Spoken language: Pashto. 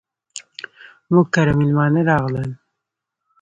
موږ کره ميلمانه راغلل.